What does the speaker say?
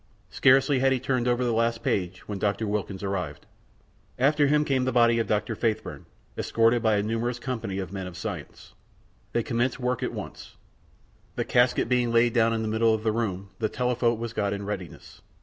Scarcely had he turned over the last page when Dr. Wilkins arrived. After him came the body of Dr. Faithburn, escorted by a numerous company of men of science. They commenced work at once. The casket being laid down in the middle of the room, the telephote was got in readiness.